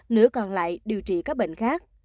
nửa còn lại điều trị các bệnh khác